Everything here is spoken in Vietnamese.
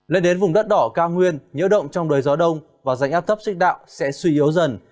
lên đến vùng đất đỏ cao nguyên nhớ động trong đời gió đông và rảnh áp thấp sức đạo sẽ suy yếu dần